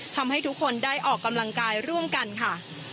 ทำให้ทุกคนได้ออกกำลังกายร่วมกันค่ะ